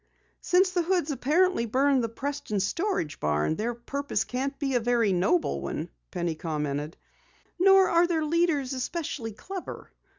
"Since the Hoods apparently burned the Preston storage barn, their purpose can't be a very noble one," Penny commented. "Nor are their leaders especially clever.